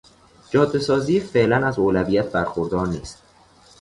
جاده سازی فعلا از اولویت برخوردار نیست.